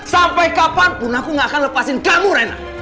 sampai kapan pun aku gak akan lepasin kamu reyna